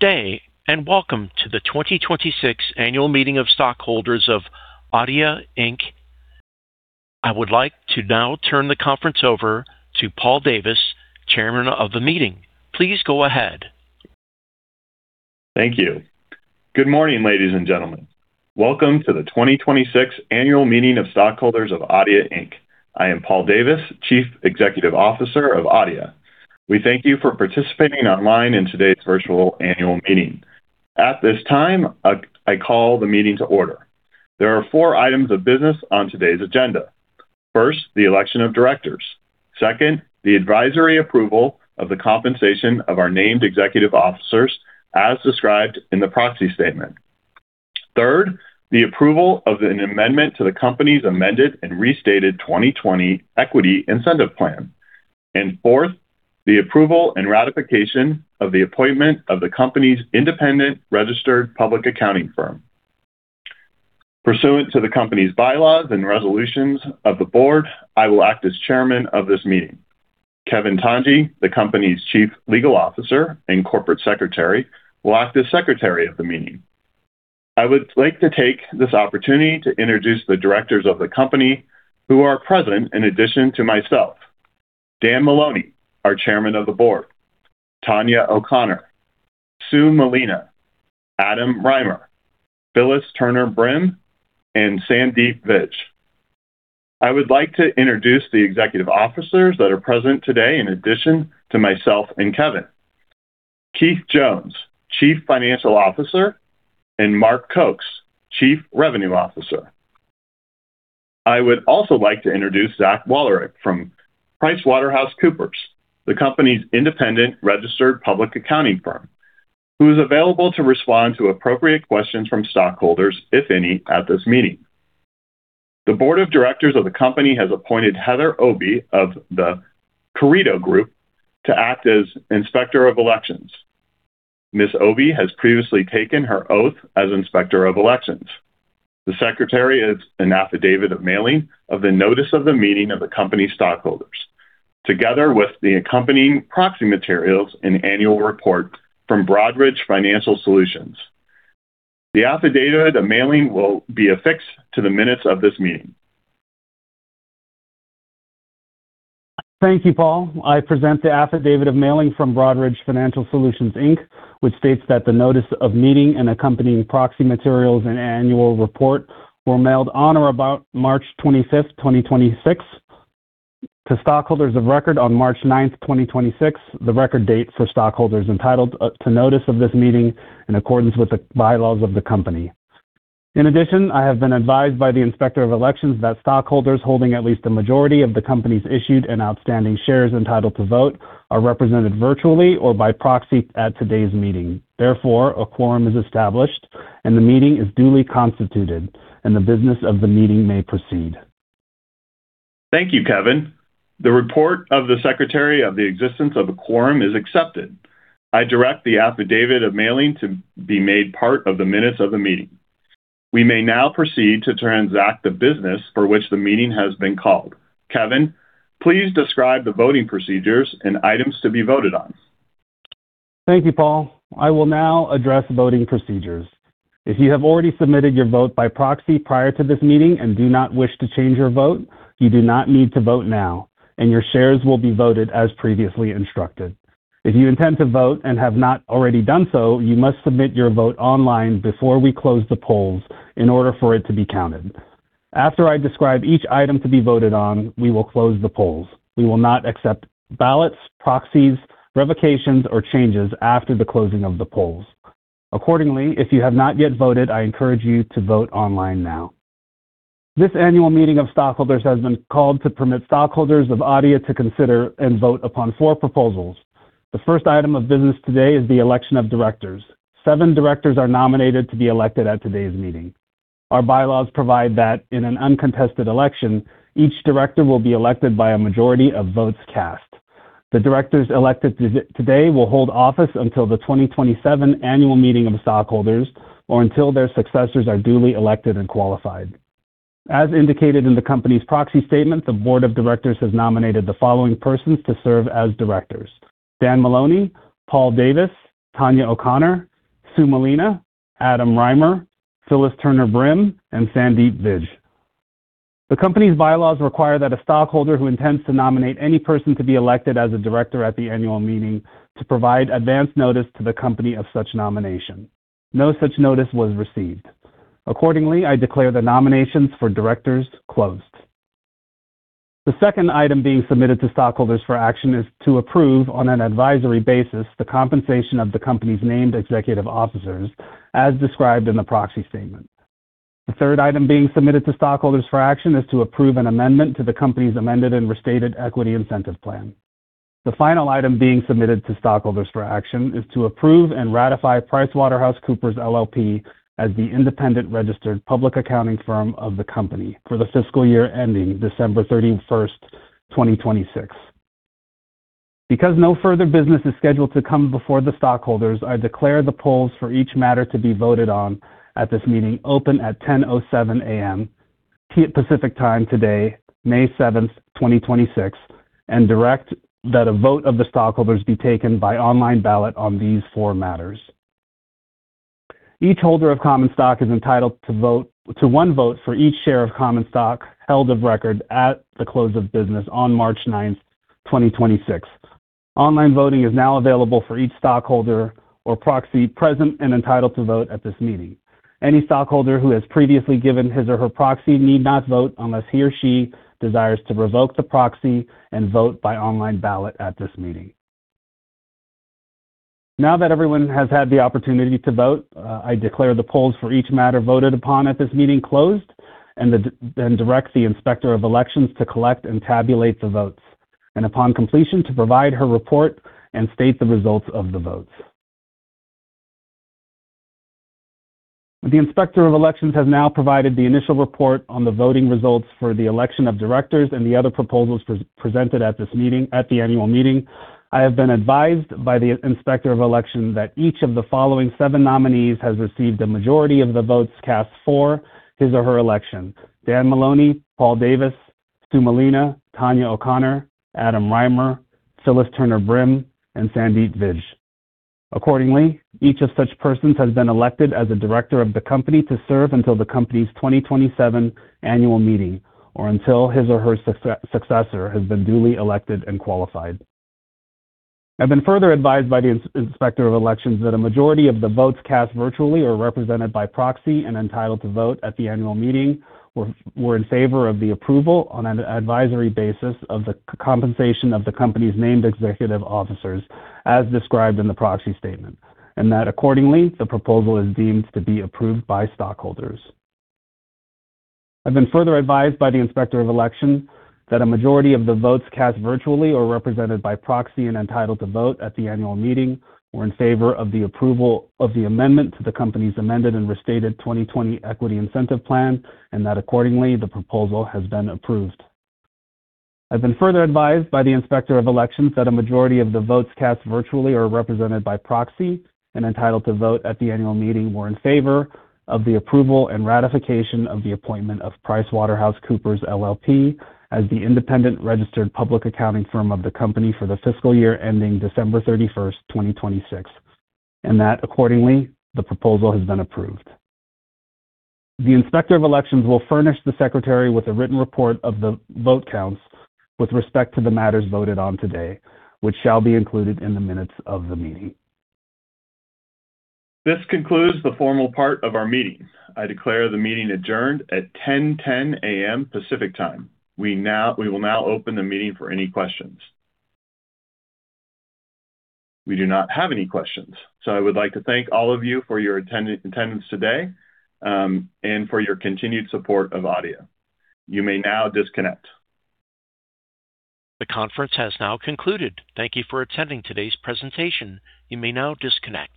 Good day, welcome to the 2026 Annual Meeting of Stockholders of Adeia Inc. I would like to now turn the conference over to Paul Davis, chairman of the meeting. Please go ahead. Thank you. Good morning, ladies and gentlemen. Welcome to the 2026 Annual Meeting of Stockholders of Adeia Inc. I am Paul Davis, Chief Executive Officer of Adeia. We thank you for participating online in today's virtual annual meeting. At this time, I call the meeting to order. There are four items of business on today's agenda. First, the election of directors. Second, the advisory approval of the compensation of our named executive officers, as described in the proxy statement. Third, the approval of an amendment to the company's amended and restated 2020 Equity Incentive Plan. Fourth, the approval and ratification of the appointment of the company's independent registered public accounting firm. Pursuant to the company's bylaws and resolutions of the board, I will act as Chairman of this meeting. Kevin Tanji, the company's Chief Legal Officer and Corporate Secretary, will act as secretary of the meeting. I would like to take this opportunity to introduce the directors of the company who are present in addition to myself. Dan Moloney, our Chairman of the Board, Tonia O'Connor, Sue Molina, Adam Rymer, Phyllis Turner-Brim, and Sandeep Vij. I would like to introduce the executive officers that are present today in addition to myself and Kevin. Keith Jones, Chief Financial Officer, and Mark Kokes, Chief Revenue Officer. I would also like to introduce Zach Walrick from PricewaterhouseCoopers, the company's independent registered public accounting firm, who is available to respond to appropriate questions from stockholders, if any, at this meeting. The Board of Directors of the company has appointed Heather Obi of The Carideo Group to act as Inspector of Elections. Ms. Obi has previously taken her oath as Inspector of Elections. The secretary is an affidavit of mailing of the notice of the meeting of the company stockholders, together with the accompanying proxy materials and annual report from Broadridge Financial Solutions. The affidavit of mailing will be affixed to the minutes of this meeting. Thank you, Paul. I present the affidavit of mailing from Broadridge Financial Solutions, Inc., which states that the notice of meeting and accompanying proxy materials and annual report were mailed on or about March 25th, 2026 to stockholders of record on March 9th, 2026, the record date for stockholders entitled to notice of this meeting in accordance with the bylaws of the company. In addition, I have been advised by the Inspector of Elections that stockholders holding at least a majority of the company's issued and outstanding shares entitled to vote are represented virtually or by proxy at today's meeting. Therefore, a quorum is established, and the meeting is duly constituted, and the business of the meeting may proceed. Thank you, Kevin. The report of the secretary of the existence of a quorum is accepted. I direct the affidavit of mailing to be made part of the minutes of the meeting. We may now proceed to transact the business for which the meeting has been called. Kevin, please describe the voting procedures and items to be voted on. Thank you, Paul. I will now address voting procedures. If you have already submitted your vote by proxy prior to this meeting and do not wish to change your vote, you do not need to vote now, and your shares will be voted as previously instructed. If you intend to vote and have not already done so, you must submit your vote online before we close the polls in order for it to be counted. After I describe each item to be voted on, we will close the polls. We will not accept ballots, proxies, revocations, or changes after the closing of the polls. Accordingly, if you have not yet voted, I encourage you to vote online now. This annual meeting of stockholders has been called to permit stockholders of Adeia to consider and vote upon four proposals. The first item of business today is the election of directors. Seven directors are nominated to be elected at today's meeting. Our bylaws provide that in an uncontested election, each director will be elected by a majority of votes cast. The directors elected today will hold office until the 2027 Annual Meeting of Stockholders or until their successors are duly elected and qualified. As indicated in the company's proxy statement, the board of directors has nominated the following persons to serve as directors: Dan Moloney, Paul Davis, Tonia O'Connor, Sue Molina, Adam Rymer, Phyllis Turner-Brim, and Sandeep Vij. The company's bylaws require that a stockholder who intends to nominate any person to be elected as a director at the annual meeting to provide advance notice to the company of such nomination. No such notice was received. Accordingly, I declare the nominations for directors closed. The second item being submitted to stockholders for action is to approve, on an advisory basis, the compensation of the company's named executive officers, as described in the proxy statement. The third item being submitted to stockholders for action is to approve an amendment to the company's amended and restated equity incentive plan. The final item being submitted to stockholders for action is to approve and ratify PricewaterhouseCoopers LLP as the independent registered public accounting firm of the company for the fiscal year ending December 31st, 2026. Because no further business is scheduled to come before the stockholders, I declare the polls for each matter to be voted on at this meeting open at 10:07 A.M. Pacific Time today, May 7th, 2026, and direct that a vote of the stockholders be taken by online ballot on these four matters. Each holder of common stock is entitled to one vote for each share of common stock held of record at the close of business on March 9th, 2026. Online voting is now available for each stockholder or proxy present and entitled to vote at this meeting. Any stockholder who has previously given his or her proxy need not vote unless he or she desires to revoke the proxy and vote by online ballot at this meeting. Now that everyone has had the opportunity to vote, I declare the polls for each matter voted upon at this meeting closed then direct the Inspector of Elections to collect and tabulate the votes, and upon completion to provide her report and state the results of the votes. The Inspector of Elections has now provided the initial report on the voting results for the election of directors and the other proposals presented at this meeting, at the annual meeting. I have been advised by the Inspector of Election that each of the following seven nominees has received a majority of the votes cast for his or her election. Dan Moloney, Paul Davis, Sue Molina, Tonia O'Connor, Adam Rymer, Phyllis Turner-Brim, and Sandeep Vij. Accordingly, each of such persons has been elected as a director of the company to serve until the company's 2027 annual meeting, or until his or her successor has been duly elected and qualified. I've been further advised by the Inspector of Election that a majority of the votes cast virtually or represented by proxy and entitled to vote at the annual meeting were in favor of the approval on an advisory basis of the compensation of the company's named executive officers as described in the proxy statement. That accordingly, the proposal is deemed to be approved by stockholders. I've been further advised by the Inspector of Election that a majority of the votes cast virtually or represented by proxy and entitled to vote at the annual meeting were in favor of the approval of the amendment to the company's amended and restated 2020 Equity Incentive Plan. That accordingly, the proposal has been approved. I've been further advised by the Inspector of Elections that a majority of the votes cast virtually are represented by proxy and entitled to vote at the annual meeting were in favor of the approval and ratification of the appointment of PricewaterhouseCoopers LLP as the independent registered public accounting firm of the company for the fiscal year ending December 31st, 2026, and that accordingly, the proposal has been approved. The Inspector of Elections will furnish the Secretary with a written report of the vote counts with respect to the matters voted on today, which shall be included in the minutes of the meeting. This concludes the formal part of our meeting. I declare the meeting adjourned at 10:10 A.M. Pacific Time. We will now open the meeting for any questions. We do not have any questions. I would like to thank all of you for your attendance today and for your continued support of Adeia. You may now disconnect. The conference has now concluded. Thank you for attending today's presentation. You may now disconnect.